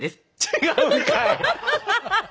違うんかい！